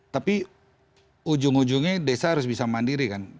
tapi ujung ujungnya desa harus bisa mandiri kan